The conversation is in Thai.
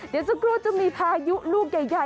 เดี๋ยวสักครู่จะมีพายุลูกใหญ่